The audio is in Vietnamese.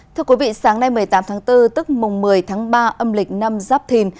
thưa quý vị sáng nay một mươi tám tháng bốn tức mùng một mươi tháng ba âm lịch năm giáp thìn